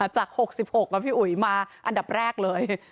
จากหกสิบหกนะพี่อุ๋ยมาอันดับแรกเลย